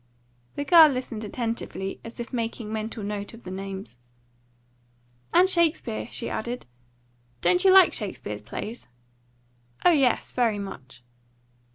The girl listened attentively, as if making mental note of the names. "And Shakespeare," she added. "Don't you like Shakespeare's plays?" "Oh yes, very much."